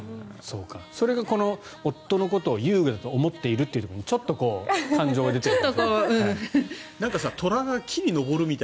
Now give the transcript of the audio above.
それがこの夫のことを遊具だと思っているというところでちょっと感情が出ているかもしれない。